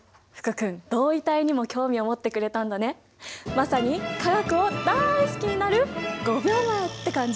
まさに化学をだい好きになる５秒前って感じ？